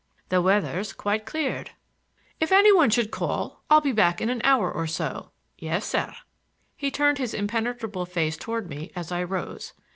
The weather's quite cleared." "If any one should call I'll be back in an hour or so." "Yes, sir." He turned his impenetrable face toward me as I rose.